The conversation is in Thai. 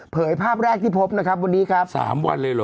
ภาพแรกที่พบนะครับวันนี้ครับ๓วันเลยเหรอ